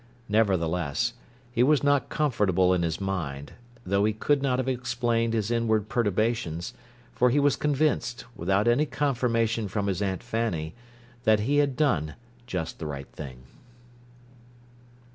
Nevertheless, he was not comfortable in his mind; though he could not have explained his inward perturbations, for he was convinced, without any confirmation from his Aunt Fanny, that he had done "just the right thing."